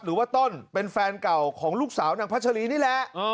หรือว่าต้นเป็นแฟนเก่าของลูกสาวนางพัชรีนี่แหละ